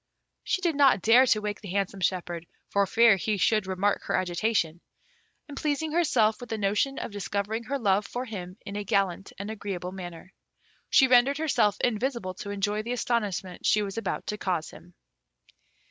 She did not dare to wake the handsome shepherd, for fear he should remark her agitation; and pleasing herself with the notion of discovering her love for him in a gallant and agreeable manner. She rendered herself invisible to enjoy the astonishment she was about to cause him.